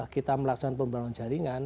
kita melaksanakan pembangunan jaringan